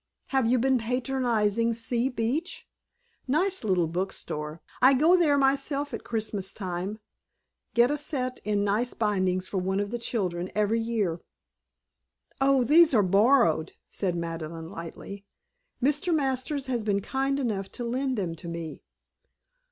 Have you been patronizing C. Beach? Nice little book store. I go there myself at Christmas time get a set in nice bindings for one of the children every year." "Oh, these are borrowed," said Madeleine lightly. "Mr. Masters has been kind enough to lend them to me."